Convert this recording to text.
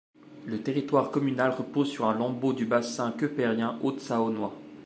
Le territoire communal repose sur un lambeau du bassin keupérien Haute-Saônois.